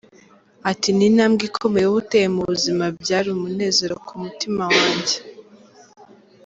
Ati “Ni intambwe ikomeye uba uteye mu buzima byari umunezero ku mutima wanjye.